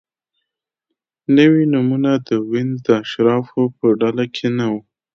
نوي نومونه د وینز د اشرافو په ډله کې نه وو.